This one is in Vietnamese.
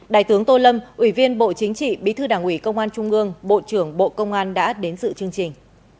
đại tướng tô lâm ủy viên bộ chính trị bí thư đảng ủy công an trung ương bộ trưởng bộ công an đã đến dự chương trình